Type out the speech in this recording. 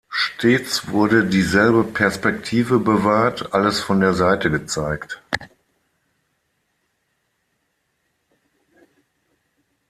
Stets wurde dieselbe Perspektive bewahrt, alles von der Seite gezeigt.